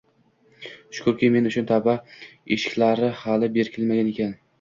Shukurki, men uchun tavba eshiklari hali berkilmagan ekan